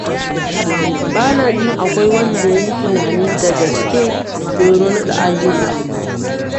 Bana jin akwai wanda ya yi tunanin da gaske Jauro na da ayyuka.